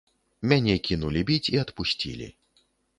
Мяне кінулі біць і адпусцілі.